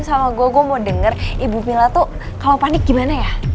sama gue gue mau denger ibu mila tuh kalau panik gimana ya